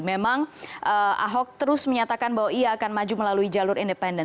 memang ahok terus menyatakan bahwa ia akan maju melalui jalur independen